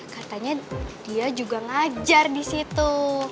katanya dia juga ngajar disitu